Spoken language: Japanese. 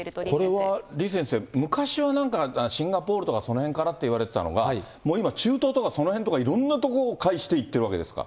これは李先生、昔はなんか、シンガポールとか、その辺からっていわれてたのが、もう今、中東とかその辺とか、いろんな所介していってるわけですか。